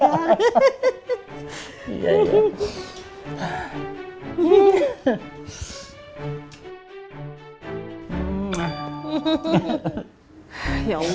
jadi gak kelihatan